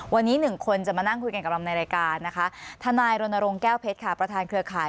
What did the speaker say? วันนี้หนึ่งคนจะมานั่งคุยกันกับเราในรายการนะคะทนายรณรงค์แก้วเพชรค่ะประธานเครือข่าย